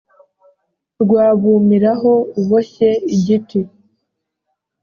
rwabumiraho uboshye igiti.